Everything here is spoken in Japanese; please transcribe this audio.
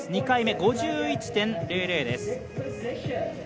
２回目、５１．００です。